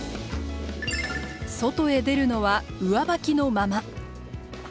外へ出るのは上履きのまま。